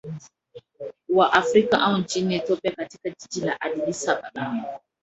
wa afrika au nchini ethiopia katika jiji la addis ababa